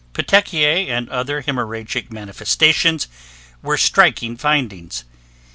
Petechiae and other hemorrhagic manifestations were striking findings.